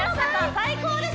最高です！